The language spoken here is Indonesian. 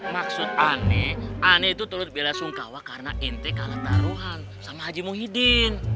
maksud ane ane itu turut bila sungkawa karena ente kalah taruhan sama haji muhyiddin